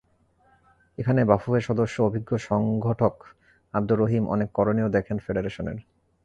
এখানেই বাফুফের সদস্য অভিজ্ঞ সংগঠক আবদুর রহিম অনেক করণীয় দেখেন ফেডারেশনের।